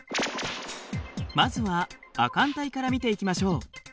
まずは亜寒帯から見ていきましょう。